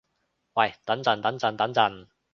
喂等陣等陣等陣